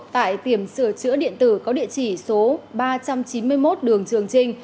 tại tiệm sửa chữa điện tử có địa chỉ số ba trăm chín mươi một đường trường trinh